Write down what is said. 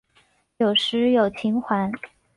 有时有蕈环。